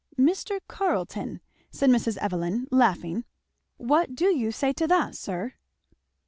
"Mr. Carleton," said Mrs. Evelyn laughing, "what do you say to that, sir?"